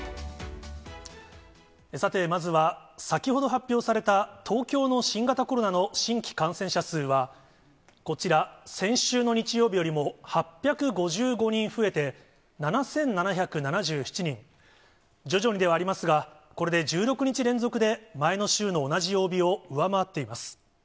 さて、まずは先ほど発表された、東京の新型コロナの新規感染者数は、こちら、先週の日曜日よりも８５５人増えて、７７７７人、徐々にではありますが、これで１６日連続で、前の週の同じ曜日を上回っています。